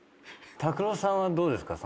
拓郎さんはどうですか？